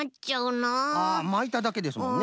あまいただけですもんね。